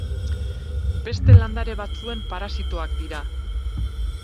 Beste landare batzuen parasitoak dira.